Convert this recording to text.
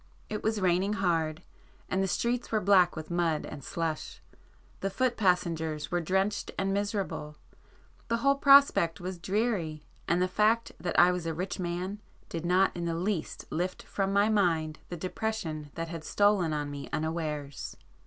It was raining hard, and the streets were black with mud and slush,—the foot passengers were drenched and miserable,—the whole prospect was dreary, and the fact that I was a rich man did not in the least lift from my mind the depression that had stolen on me unawares.